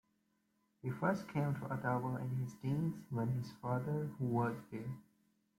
He first came to Ottawa in his teens when his father worked there.